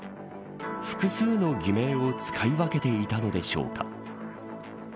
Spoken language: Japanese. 複数の偽名を使い分けていたのでしょうか。